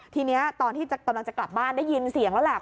ทีนี้ตอนที่จะกลับบ้านได้ยินเสียงแล้ว